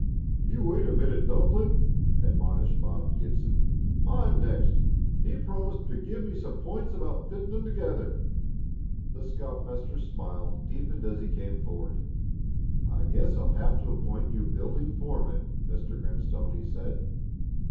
"You wait a minute, Dumpling!" admonished Bob Gibson. "I'm next. He promised to give me some points about fitting 'em together." The scoutmaster's smile deepened as he came forward. "I guess I'll have to appoint you building foreman, Mr. Grimstone," he said.